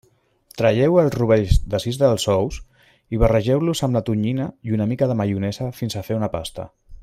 Traieu els rovells de sis dels ous i barregeu-los amb la tonyina i una mica de maionesa fins a fer una pasta.